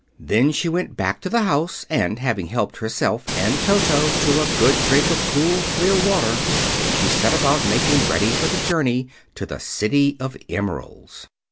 Then she went back to the house, and having helped herself and Toto to a good drink of the cool, clear water, she set about making ready for the journey to the City of Emeralds.